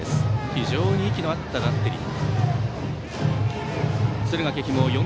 非常に息の合ったバッテリー。